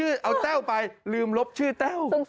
เอาแต้วไปลืมลบชื่อแต้ว